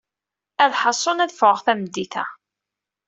Alḥasun ad ffeɣeɣ tameddit-a.